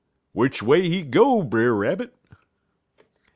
"'W'ich a way he go, Brer Rabbit?'